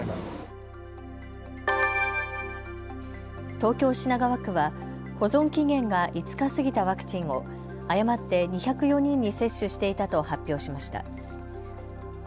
東京品川区は保存期限が５日過ぎたワクチンを誤って２０４人に接種していたと発表しました。